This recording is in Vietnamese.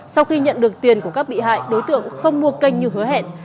sau khi nhận được tiền của các bị hại đối tượng không mua kênh như hứa hẹn